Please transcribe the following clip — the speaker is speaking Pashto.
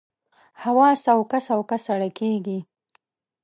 هوا سوکه سوکه سړه کېږي